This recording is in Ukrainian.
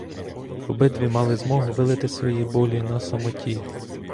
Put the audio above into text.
Обидві мали змогу вилити свої болі на самоті.